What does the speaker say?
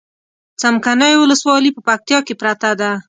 څمکنيو ولسوالي په پکتيا کې پرته ده